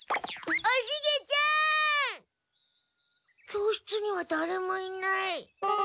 教室にはだれもいない。